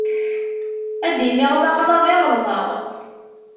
Ad d-iniɣ d aɣlaḍ i ɣelḍeɣ.